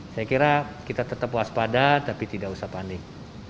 saya kira kita tetap waspada tapi tidak usah panik